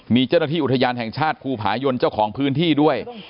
มีเจ้าหน้าที่อุทยานแห่งชาติภูผายนเจ้าของพื้นที่ด้วย